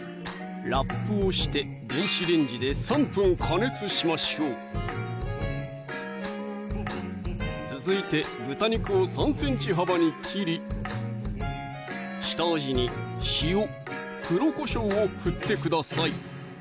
ラップをして電子レンジで３分加熱しましょう続いて豚肉を３ｃｍ幅に切り下味に塩・黒こしょうを振ってください